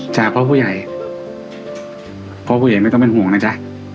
จากพ่อผู้ใหญ่พ่อผู้ใหญ่ไม่ต้องเป็นห่วงนะจ๊ะ